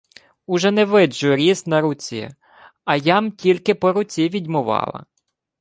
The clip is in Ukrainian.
— Уже не виджу різ на руці. А я-м тільки по руці відьмувала.